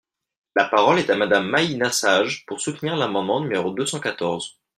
La parole est à Madame Maina Sage, pour soutenir l’amendement numéro deux cent quatorze.